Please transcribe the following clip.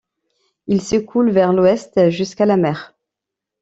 Il s'écoule vers l'ouest jusqu'à la mer.